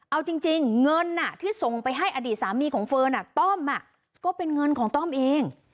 เอาจริงเงินที่ส่งไปให้อดีตสามีของเฟิร์นต้อมก็เป็นเงินของต้อมเอง